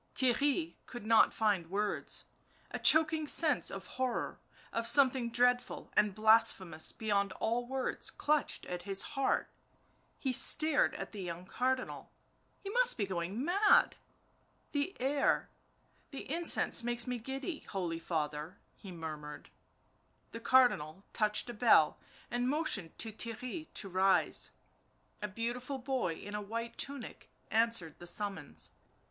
Theirry could not find words, a choking sense of horror, of something dreadful and blasphemous beyond all words clutched at his heart ... he stared at the young Cardinal ... he must be going mad. ..." The air— the incense makes me giddy, holy father / 7 he murmured. The Cardinal touched a bell and motioned to Theirry to rise. A beautiful boy in a white tunic answered the summons.